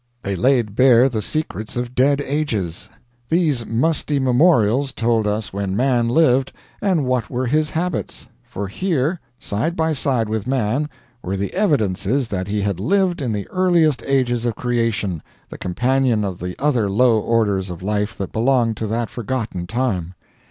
They laid bare the secrets of dead ages. These musty Memorials told us when Man lived, and what were his habits. For here, side by side with Man, were the evidences that he had lived in the earliest ages of creation, the companion of the other low orders of life that belonged to that forgotten time.